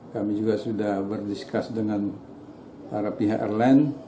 kami juga sudah berdiskus dengan para pihak airline